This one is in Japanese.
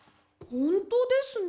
ほんとですね。